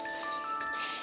ya benar aja